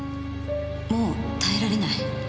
もう耐えられない